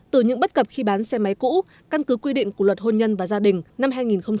từ những bất cập khi bán xe máy cũ căn cứ quy định của luật hôn nhân và gia đình năm hai nghìn một mươi